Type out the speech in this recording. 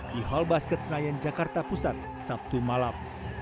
di hall basket senayan jakarta pusat sabtu malam